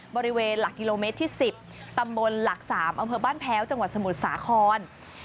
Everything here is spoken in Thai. บริเวณหลักกิโลเมตรที่๑๐ตำบลหลัก๓อำเภอบ้านแพ้วจังหวัดสมุทรสาคร